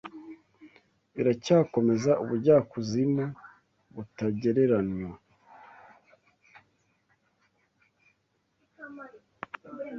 Biracyakomeza ubujyakuzimu butagereranywa